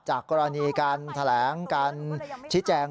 จากกรณีการแสดงการชิดแจง